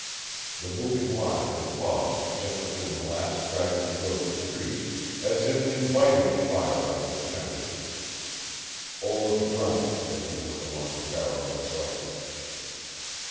The moving line had paused just within the last straggling growth of trees, as if inviting the fire of the defenders. Olaf grunted as he looked along the barrel of his rifle.